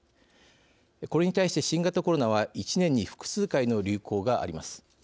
これに対して、新型コロナは１年に複数回の流行があります。